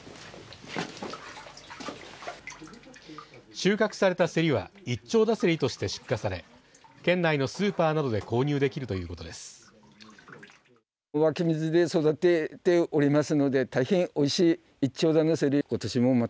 収穫されたせりは一町田せりとして出荷され県内のスーパーなどで購入できるということです。